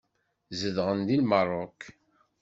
Zedɣen deg Meṛṛuk.